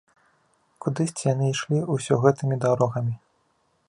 Кудысьці яны ішлі ўсё гэтымі дарогамі.